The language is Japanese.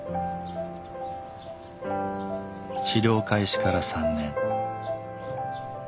治療開始から３年。